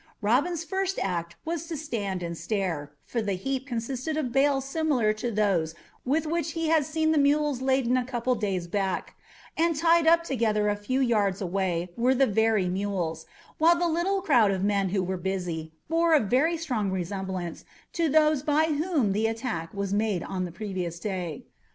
Robin's first act was to stand and stare, for the heap consisted of bales similar to those with which he had seen the mules laden a couple of days back, and tied up together a few yards away were the very mules, while the little crowd of men who were busy bore a very strong resemblance to those by whom the attack was made on the previous day.